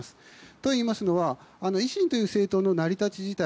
といいますのは維新という政党の成り立ち自体